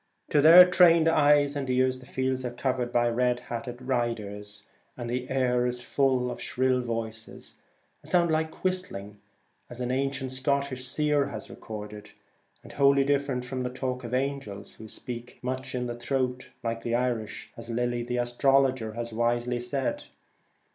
To their trained eyes and ears the fields are covered by red hatted riders, and the air is full of shrill voices — a sound like whistling, as an 117 The ancient Scottish seer has recorded, and Celtic Twilight, wholly different from the talk of the angels, who ' speak much in the throat, like the Irish,' as Lilly, the astrologer, has wisely said.